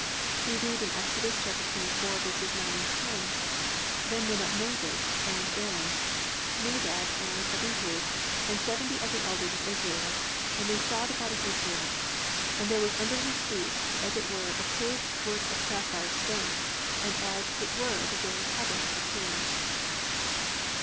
We read in Ex. 24:9, 10: +"Then went up Moses, and Aaron, Nadab, and Abihu, and seventy of the elders of Israel: (10) and they saw the God of Israel; and there was under his feet as it were a paved work of sapphire stone, and as it were the very heaven for clearness."